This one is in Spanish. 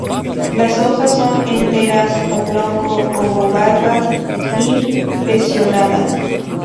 Las hojas son enteras, oblongo-obovadas y pecioladas.